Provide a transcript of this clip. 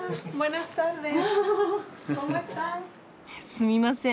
すみません。